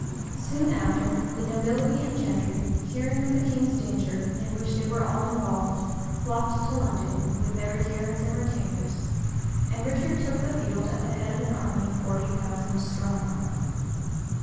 [*] Soon after, the nobility and gentry, hearing of the king's danger, in which they were all involved, flocked to London, with their adherents and retainers; and Richard took the field at the head of an army forty thousand strong.